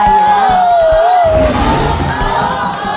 แล้ววันนี้ผมมีสิ่งหนึ่งนะครับเป็นตัวแทนกำลังใจจากผมเล็กน้อยครับ